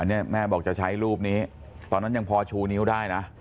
อันนี้แม่บอกจะใช้รูปนี้ตอนนั้นยังพอชูนิ้วได้นะ